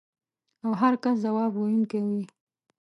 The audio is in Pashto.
او هر کس ځواب ویونکی وي.